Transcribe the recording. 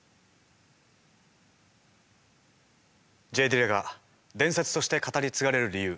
Ｊ・ディラが伝説として語り継がれる理由。